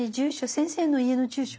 先生の家の住所？